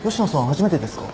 初めてですか？